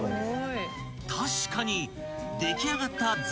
［確かに出来上がったザ★